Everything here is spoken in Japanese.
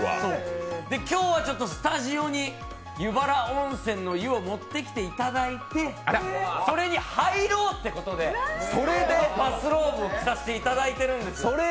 今日はちょっとスタジオに湯原温泉の湯を持ってきていただいて、それに入ろうってことでバスローブを着させていただいているんです。